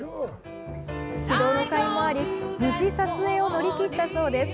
指導のかいもあり無事、撮影を乗り切ったそうです。